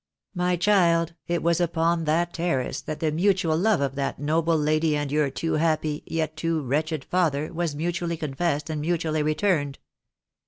My child, it was upon that terrace that the mutual love of that noble lady and your too happy, yet too wretched father was mutually confessed and mutually returned.